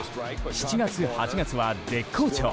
７月、８月は絶好調。